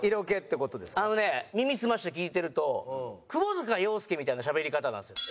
あのね耳澄ませて聞いてると窪塚洋介みたいなしゃべり方なんですよ。